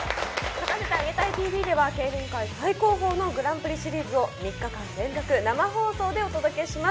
『勝たせてあげたいＴＶ』では、競輪界最高峰のグランプリシリーズを３日間連続、生放送でお届けします。